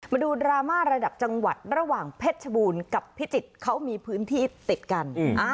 มาดูดราม่าระดับจังหวัดระหว่างเพชรชบูรณ์กับพิจิตรเขามีพื้นที่ติดกัน